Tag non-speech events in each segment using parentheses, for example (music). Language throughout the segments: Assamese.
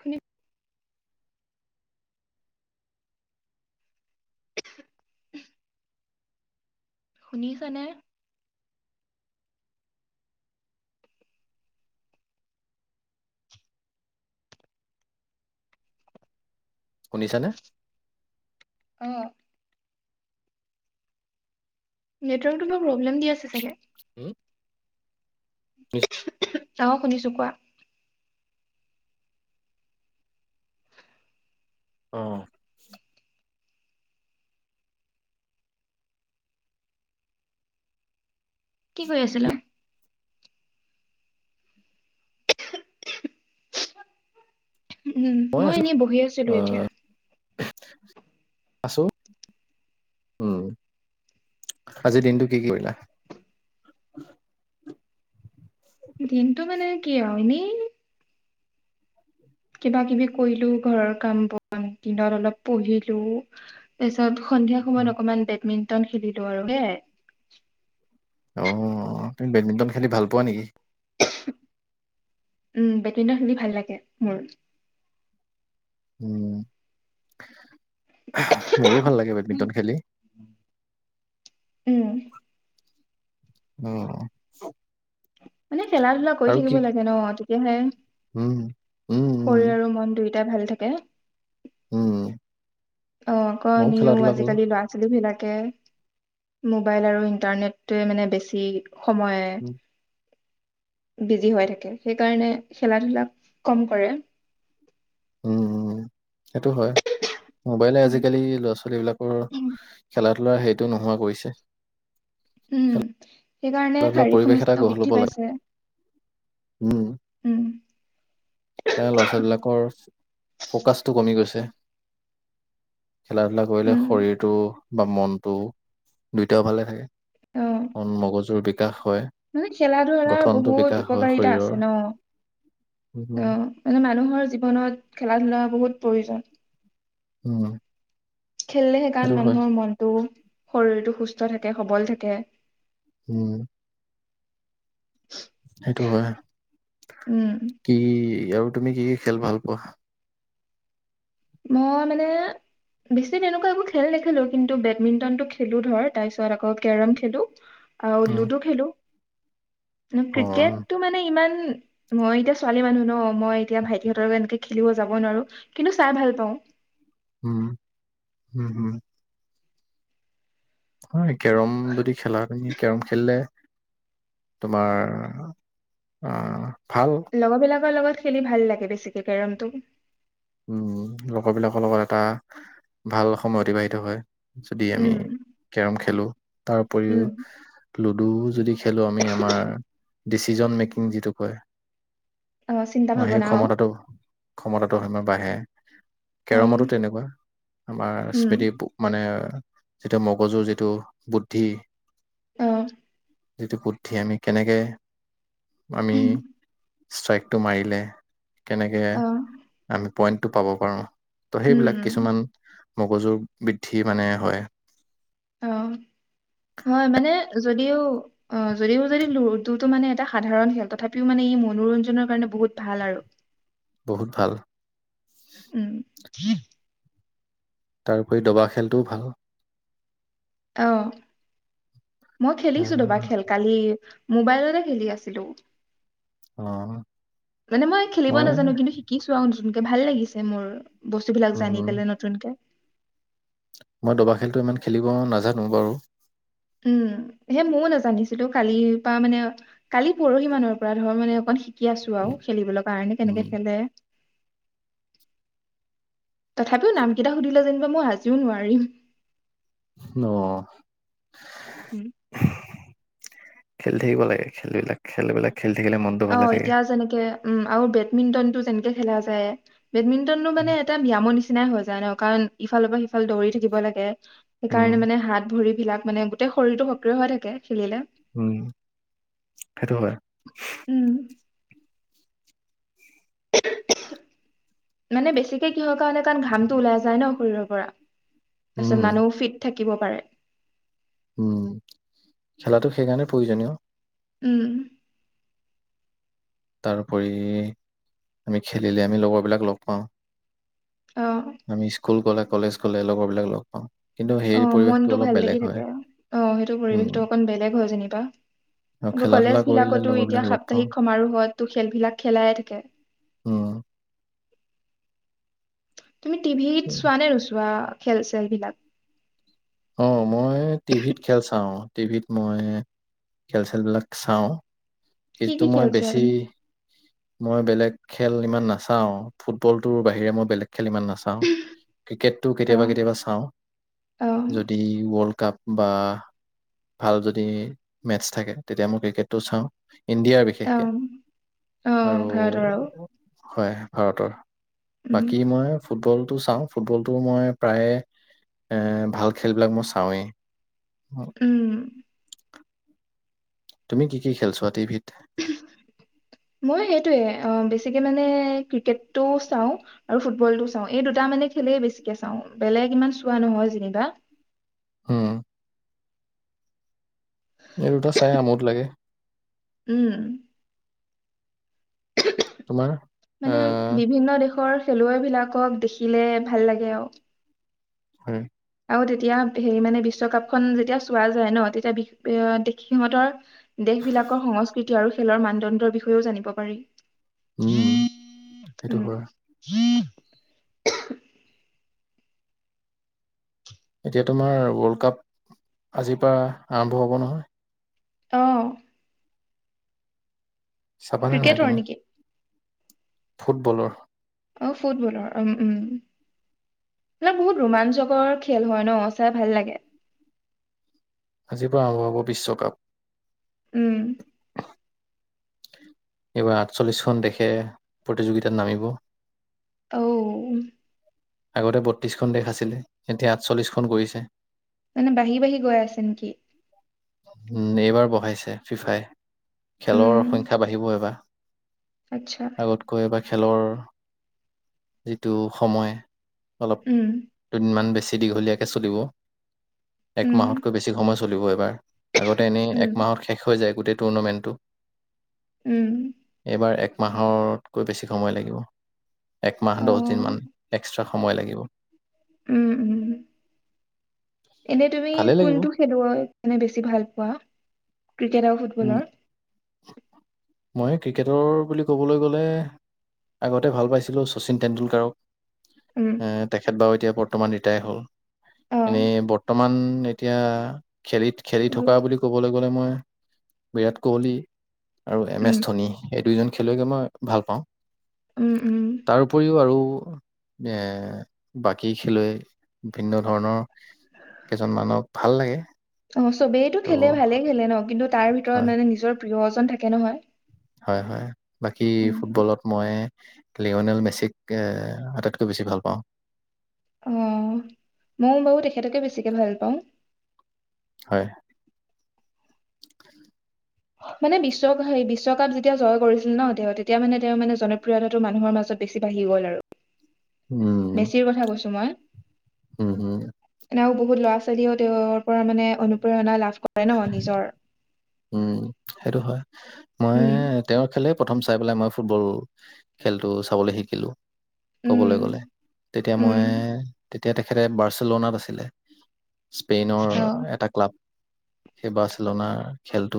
শুনি শুনিছ নে? শুনিছানে। অ নেটৱৰ্কতো বৰ প্ৰব্লেম দি আছে চাগে। উম। ও নিছ- (unintelligible) (unintelligible) অ শুনিছো কোৱা। আহ কি কৰি আছিলো। উম মই এনেই বহি আছিলো অ এতিয়া। আছো উম আজিৰ দিনটো কি কৰিলা। দিনতটো মানে কি আৱ এনেই। কিবা কিবি কৰিলো ঘৰৰ কাম দিনত অলপ পঢ়িলো তাৰপিছত। সন্ধিয়া উম, সময়ত অকণমান বেডমিনটন। খেলিলো আৰু হেই। অ তুমি বেডমিণ্টন খেলি ভাল পোৱা নেকি। উম বেডমিণ্টন খেলি ভাল লাগে মোৰ। উম মোৰো ভাল লাগে বেডমিণ্টন খেলি। উম উম মানে। খেলা ধূলা কৰি থাকিব লাগে ন তেতিয়াহে উম উম উম শৰীৰ আৰু মন দুই। তেতিয়া ভাল থাকে উম অ ময়ো খেলা অকনিও ধূলা কৰো আজিকালি ল'ৰা ছোৱালী বিলাক মোবাইল আৰু ইণ্টাৰনেটটোৱে মানে বেছি। সময়ে। উম বিজি হৈ থাকে সেইকাৰণে খেলা ধূলা কম কৰে। উম উম। সেইটো হয়। মোবাইলে উম আজিকালি ল'ৰা ছোৱালী বিলাকৰ খেলাত। সেইটো নোহোৱা কৰিছে। উম সেইকাৰণে খেলা ধূলা শাৰীৰিক পৰিৱেশ এটা সমস্যাও গঢ় ল'ব বৃদ্ধি লাগে পাইছে। উম উম সেইকাৰণে ল'ৰা ছোৱালী বিলাকৰ ফকাচটো কমি গৈছে। ছে খেলা ধূলা কৰিলে উম শৰীৰটো। বা মনতটো দুইটাও ভালে থাকে। অ অন মগজু। জুৰ বিকাশ হয়, মানে খেলা ধূলাৰ গঠনটো বহুত বিকাশ হয় উপকাৰিতা শৰীৰৰ। আছে ন উম, অ মানে মানুহৰ জীৱনত খেলা ধূলা বহুত প্ৰয়োজন উম খেলিলে সেইকাৰণে সেইটো হয়, মানুহৰ মনটো শৰীৰটো সুস্থ থাকে সবল থাকে উম সেইটো হয় উম কি ইয়াৰো তুমি কি কি খেল ভাল পোৱা মই মানে বেছি তেনেকুৱা একো খেল নেখেলো কিন্তু বেডমিন্টনটো খেলো ধৰ তাৰ পিছত আকৌ কেৰম খেলো আৰু উম, লুডো খেলো অ', ক্ৰিকেটো মানে ইমান মই এতিয়া ছোৱালী মানুহ ন মই এতিয়া ভাইটিহঁতৰ লগ এনেকে খেলিব যাব নোৱাৰো কিন্তু চাই ভাল পাওঁ উম হম হম হয় কেৰম যদি খেলা তুমি কেৰম খেলিলে তোমাৰ অহ লগৰবিলাকৰ লগত খেলি ভাল লাগে বেছিকে কেৰমটো উম লগৰবিলাকৰ লগত এটা ভাল সময় অতিবাহিত হয় যদি আমি উম কেৰম খেলো তাৰ উপৰিও উম লুডু যদি খেলো আমি আমাৰ ডিচিজন মেকিং যিটো কয় অ চিন্তা অ সেই ভাৱনা ক্ষমতাটো ক্ষমতা (unintelligible) ত সিমান বাঢ়ে অ কেৰমতো তেনেকুৱা আমাৰ উম স্মৃতি মানে যিটো মগজুৰ যিটো বুদ্ধি অহ যিটো বুদ্ধি আমি কেনেকে আমি ষ্ট্ৰাইকটো মাৰিলে কেনেকে অ পইণ্টটো পাব পাৰো ত' উম সেইবিলাক উম কিছুমান মগজুৰ বৃদ্ধি মানে হয় অ হয় মানে যদিও অ যদিও যদি লুডুটো মানে এটা সাধাৰণ খেল তথাপিও মানে ই মনোৰঞ্জনৰ কাৰণে বহুত ভাল আৰু বহুত ভাল উম তাৰউপৰি দবা খেলটোও ভাল আহ মই খেলিছো দেবা খেল কালি মোবাইলতে খেলি আছিলো অ মানে মই খেলিব নাজানো কিন্তু শিকিছো নতুনকে ভাল লাগিছে মোৰ বস্তু বিলাক জানি উম, কেলে নতুনকে মই দবা খেলটো ইমান খেলিব নাজানো বাৰু উম সেই ময়ো নাজানিছিলো কালিৰ পৰা মানে কালি পৰহি মানৰ পৰা ধৰ মানে অকণ শিকি আছো আৰু খেলিবলৈ কাৰণে কেনেকে খেলে তথাপিও নাম কেইটা সুধিলে যেনিবা মই আজিও নোৱাৰিম অ উম খেলি থাকিব লাগে খেলবিলাক খেলবিলাক খেলি থাকিলে মনটো অ ভালে থাকে এতিয়া যেনেকে উম আৰু বেডমিন্টন টো যেনেকে খেলা যায় বেডমিণ্টন টো মানে এটা ব্যম নিচিনা নিচিনাই হৈ যায় ন কাৰণ ইফালৰ পৰা সিফালে দৌৰি থাকিব লাগে উম সেইকাৰণে মানে হাত ভৰি বিলাক মানে গোটেই শৰীৰটো সক্ৰিয় হৈ থাকে খেলিলে উম সেইটো হয় উম মানে বেছিকে কিহৰ কাৰণে কাৰণ ঘামটো ওলাই যায় ন শৰীৰৰ পৰা তাৰপাছত উম মানুহো ফিট থাকে থাকিব পাৰে উম খেলাটো সেইকাৰণে প্ৰয়োজনীয় উম তাৰোপৰি আমি খেলিলে আমি লগৰবিলাক লগ পাওঁ অ আমি স্কুল গলে কলেজ গলে লগৰ বিলাক লগ পাওঁ কিন্তু অ সেই পৰিৱেশটো মনতটো অলপ ভাল বেলেগ লাগি হয় থাকে অ সেইটো পৰিৱেশতটো উম অকন বেলেগ হয় যেনিব আৰু বা খেলা কলেজ ধূলা কৰিলে বিলাকতো এতিয়া লগৰবিলাক লগ পাওঁ সাপ্তাহিক সমাৰোহত টো খেলবিলাক খেলাইয়ে থাকে হও তুমি টিভিত চোৱা নে নুচোৱা খেল চেল বিলাক অ মই টিভিত খেল চাওঁ টিভিত মই খেল চেলবিলাক চাওঁ কি কিন্তু কি মই খেল চোৱা বেছি তুমি মই বেলেগ খেল ইমান নাচাও ফুটবল টোৰ বাহিৰে মই বেলেগ খেল ইমান নাচাওঁ ক্ৰিকেটটো অ কেতিয়াবা কেতিয়াবা চাওঁ অ যদি ৱৰ্লড কাপ বা ভাল যদি মেচ থাকে তেতিয়া মই ক্ৰিকেটটো চাওঁ ইণ্ডিয়াৰ অ বিশেষকে অ আৰু ভাৰতৰ আৰু হয় ভাৰতৰ উম বাকী মই ফুটবল টো চাওঁ ফুটবলটো মই প্ৰায়ে এ ভাল খেলবিলাক মই চাওঁৱেই হয় উম তুমি কি কি খেলছোৱা টি ভিত মই সেইটোৱে বেছিকে মানে ক্ৰিকেটটো চাওঁ আৰু ফুটবলটো চাওঁ এই দুটা মানে খেলেই বেছিকে চাওঁ বেলেগ ইমান চোৱা নহয় যেনিবা ও এই দুটা চাই আমোদ লাগে উম তোমাৰ মানে আহ বিভিন্ন দেশৰ খেলুৱৈ বিলাকক দেখিলে ভাল লাগে আৰু হয় আৰু তেতিয়া হেৰি মানে বিশ্বকাপখন যেতিয়া চোৱা যায় ন তেতিয়া এ দেশি সিহঁতৰ দেশ বিলাকৰ সংস্কৃতি আৰু খেলৰ মানদণ্ডৰ বিষয়েও জানিব পাৰি উম উম সেইটো হয় উম (inaudible) এতিয়া তোমাৰ ৱৰ্ল্ড কাপ আজিৰ পৰা আৰম্ভ হ'ব নহয় ও চাবা নে নাই ক্ৰিকেটৰ তুমি নেকি ফুটবলৰ অ ফুটবলৰ উম উম উম বহুত ৰোমাঞ্চকৰ খেল হয় ন চাই ভাল লাগে আজিৰ পৰা আৰম্ভ হ'ব বিশ্বকাপ উম এইবাৰ আঠচল্লিশখন দেশে প্ৰতিযোগিতাত নামিব ঔ। আগতে বত্ৰিশখন দেশ আছিলে যেতিয়া আঠচল্লিশখন কৰিছে। মানে বাঢ়ি বাঢ়ি গৈ আছে নেকি? উম এইবাৰ বহাইছে ফিফাই। উম, খেলৰ সংখ্যা বাঢ়িবই এইবাৰ। আচ্ছা, আগতকৈ এইবাৰ। খেলৰ যিটো সময়। অলপ উম, দুদিনমান বেছি। দীঘলীয়াকে চলিব। এক উম, মাহতকৈ বেছি সমস্য। চলিব এইবাৰ। আগতে এনেই এক উম, মাহত শেষ হৈ যায়। গোটেই টুৰ্ণামেণ্টটো। উম, এইবাৰ এক। মাহতকৈ বেছি সময় লাগিব। একমাহ দছদিন মান। অ', সময় লাগিব। উম উম এনে তুমি ভালেই লাগিব কোনটো খেলুৱৈ মানে বেছি ভাল পোৱা। ক্ৰিকেট আৰু ফুটবলৰ। উম, মই ক্ৰিকেটৰ বুলি ক'বলৈ গলে আগতে ভাল পাইছিলোঁ শচীন টেণ্ডুলকাৰক। উম, এ তেখেত বাৰু এতিয়া। বৰ্তমান ৰিটায়াৰ হ'ল। এনে অ', বৰ্তমান। এতিয়া। খেলি খেলি উম, থকা বুলি ক'বলৈ গলে মই। বিৰাট কোহলি (unintelligible) আৰু এম এছ উম, ধনী এই দুইজন। খেলুৱৈকে মই ভাল পাওঁ। উম, উম। তাৰ উপৰিও আৰু। এ বাকী খেলুৱৈ, ভিন্ন ধৰণৰ কেইজন মানক ভাল লাগে। অ চবেইতটো ত' খেলে ভালে খেলে ন। কিন্তু তাৰ ভিতৰত হয় মানে নিজৰ প্ৰিয়। থাকে নহয়। হয় হয় বাকী উম, ফুটবলত মই লিঅ'নেল মেচিক আটাইতকৈ বেছি ভাল পাওঁ অ ময়ো বাৰু তেখেতকে বেছিকে ভাল পাওঁ (unintelligible) মানে বিশ্ব হ বিশ্বকাপ যেতিয়া জয় কৰিছিল ন তেওঁ তেতিয়া মানে তেওঁ মানে জনপ্ৰিয়তাটো মানুহৰ মাজত বেছি বাঢ়ি গ'ল আৰু উম বেছিৰ কথা কৈছো মই উম হম এও বহুত ল'ৰা ছোৱালীও তেওঁৰ পৰা মানে অনুপেৰণা লাভ কৰে হয় ন ম নিজৰ উম সেইটো হয় মই উম তেওঁৰ খেলে প্ৰথম চাই পেলাই মই ফুটবল খেলটো চাবলৈ শিকিলো উম কবলৈ গ'লে তেতিয়া উম মই তেতিয়া তেখেতে বাৰ্চেলনাত আছিলে স্পেইনৰ অ এটা ক্লাব সেই বাচলনাৰ খেলতো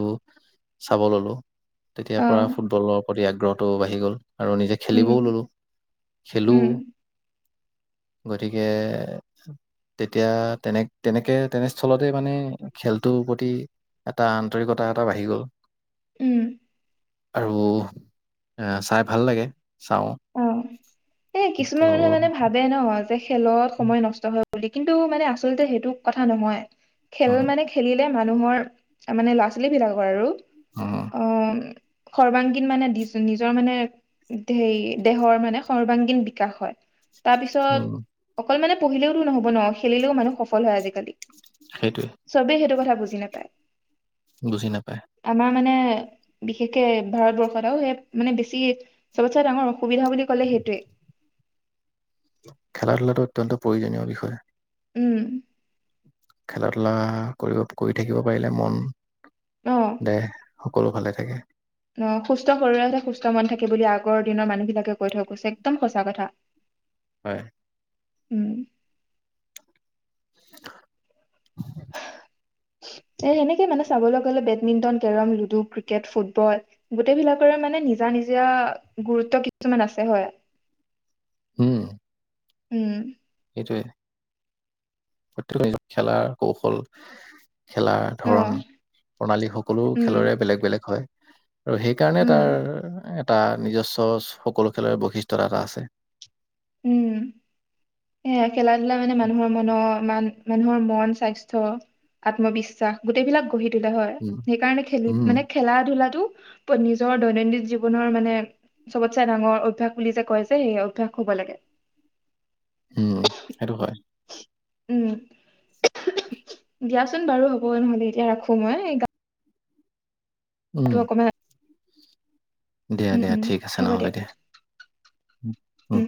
চাব ললো তেতিয়াৰ অ পৰা ফুটবলৰ অ আগ্ৰহটোও বাঢ়ি গ'ল আৰু নিজে উম খেলিবও ললো খেলো উম গতিকে তেতিয়া তেনে তেনেকে তেনেস্থলতে মানে খেলটোৰ প্ৰতি এটা আন আন্তৰিকতা এটা বাঢ়ি গ'ল উম আৰু এ চাই ভাল লাগে চাওঁ অ এ ত' কিছুমান মানুহে মানে ভাবে ন খেলত সময় নষ্ট হয় বুলি কিন্তু মানে আচলতে সেইটো কথা নহয় খেল উম মানে খেলিলে মানুহৰ মানে ল'ৰা ছোৱালী বিলাকৰ আৰু উম অ সৰ্বাংগীন মানে নিজৰ মানে হেৰি দেহৰ মানে সৰ্বাংগীন বিকাশ হয় তাৰপিছত উম অকল মানে পঢ়িলেওতো নহ'ব ন খেলিলেও মানুহ সফল হয় আজিকালি সেইটোৱে চবেই সেইটো কথা বুজি নাপায় বুজি নাপায় আমাৰ মানে বিশেষকে ভাৰতবৰ্ষত আ সে মানে বেছি চবতচে ডাঙৰ সুবিধা বুলি ক'লে সেইটোৱে খেলা ধূলাটো অত্যন্ত প্ৰয়োজনীয় বিষয় উম খেলা ধূলা কৰি কৰি থাকিব পাৰিলে মন অ দেহ সকলো ভালে থাকে অ সুস্থ শৰীৰতহে সুস্থ মন থাকে বুলি আগৰ দিনৰ মানুহ বিলাকে কৈ থৈ গৈছে একদম সঁচা কথা হয় উম (inaudible) এ সেনেকে মানে চাবলৈ গলে badminton carrom ludo cricket football গোটেইবিলাকৰে মানে নিজা নিজা গুৰুত্ব কিছুমান আছে হয় হম উও সেইটোৱে প্ৰত্যেক নিজ খেলাৰ কৌশল খেলা অ ধৰণ প্ৰণালী সকলো উম খেলৰে বেলেগ বেলেগ হয় আৰু সেইকাৰণে উম তাৰ এটা নিজস্ব সকলো খেলৰে বৈশিষ্টতা এটা আছে উম এ খেলা ধূলা মানে মানুহৰ মনত মান মানুহৰ মন স্বাস্থ্য আত্মবিশ্বাস গোটেইবিলাক গঢ়ি তোলা হয় উম সেইকাৰণে খেলি উম মানে খেলা ধূলাটো নিজৰ দৈনন্দিন জীৱনৰ মানে চবতচে ডাঙৰ অভ্যাস বুলি যে কয় যে সেই অভ্যাস হ'ব লাগে উম সেইটো হয় উম উম দিয়াচোন বাৰু হ'ব নহলে এতিয়া ৰাখো মই মই উম তোমাক কমে দিয়া দিয়া ঠিক আছে নহ'লে দিয়া। উম